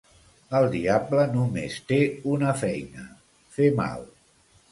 El diable només té una feina: fer mal.